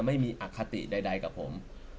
ไม่มีอคติใดกับผม